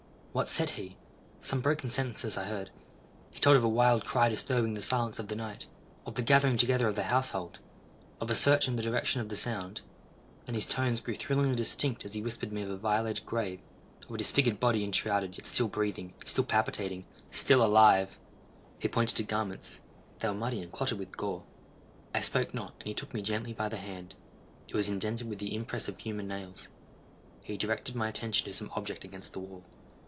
What said he?—some broken sentences I heard. He told of a wild cry disturbing the silence of the night—of the gathering together of the household—of a search in the direction of the sound; and then his tones grew thrillingly distinct as he whispered me of a violated grave—of a disfigured body enshrouded, yet still breathing—still palpitating—still alive! He pointed to garments;—they were muddy and clotted with gore. I spoke not, and he took me gently by the hand: it was indented with the impress of human nails. He directed my attention to some object against the wall.